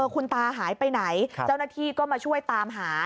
คุณตาหายไปไหนเจ้าหน้าที่ก็มาช่วยตามหา